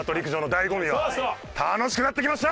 楽しくなってきました！